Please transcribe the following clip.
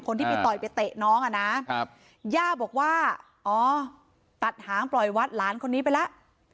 คนที่ไปต่อยไปเตะน้องอ่ะนะย่าบอกว่าอ๋อตัดหางปล่อยวัดหลานคนนี้ไปแล้ว